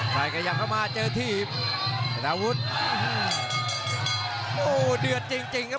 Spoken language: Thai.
ใครกระยับเข้ามาเจอทีขนาวุฒิโอ้ยเดือดจริงจริงครับ